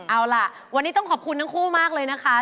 เอาล่ะวันนี้ต้องขอบคุณทั้งคู่มากเลยนะคะ